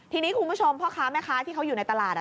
ทีนี้คุณผู้ชมพ่อค้าแม่ค้าที่เขาอยู่ในตลาด